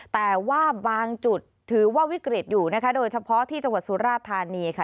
แต่ว่าบางจุดถือว่าวิกฤตอยู่นะคะโดยเฉพาะที่จังหวัดสุราธานีค่ะ